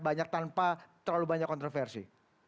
banyak tanpa terlalu banyak kontroversi